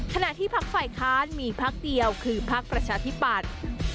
ขณะที่พักฝ่ายค้านมีพักเดียวคือพักประชาธิปัตย์